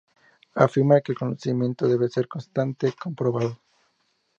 Afirma que el conocimiento debe ser constantemente comprobado.